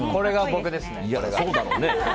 そうだろうね。